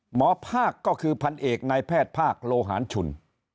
หมอภาคก็คือพันเอกนายแพทย์ภาคโลหารชุน